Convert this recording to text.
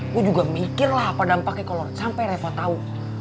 gue juga mikir lah apa dampaknya kalo sampai reva tau